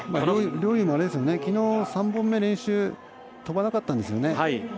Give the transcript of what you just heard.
陵侑もきのう３本目、練習飛ばなかったんですよね。